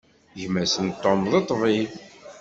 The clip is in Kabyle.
Gma-s n Tom, d ṭṭbib.